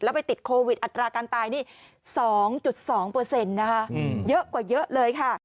ไปติดโควิดอัตราการตายนี่๒๒นะคะเยอะกว่าเยอะเลยค่ะ